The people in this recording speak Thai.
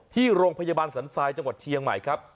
ที่โรงพยาบาลสันทรายจังหวัดเชียงใหม่ครับ